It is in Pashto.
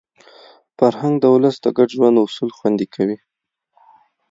فرهنګ د ولس د ګډ ژوند اصول خوندي کوي.